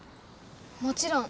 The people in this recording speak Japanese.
もちろん。